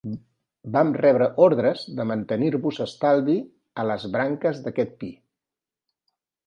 Vam rebre ordres de mantenir-vos estalvi a les branques d'aquest pi.